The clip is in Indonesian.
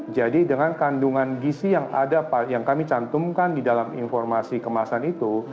jadi dengan kandungan gisi yang ada yang kami cantumkan di dalam informasi kemasan itu